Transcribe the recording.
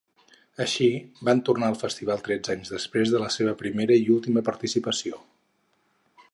Així, van tornar al festival tretze anys després de la seva primera i última participació.